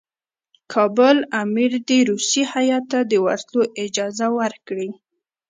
کابل امیر دي روسي هیات ته د ورتلو اجازه ورکړي.